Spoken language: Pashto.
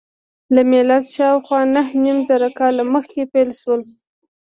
له میلاده شاوخوا نهه نیم زره کاله مخکې پیل شول.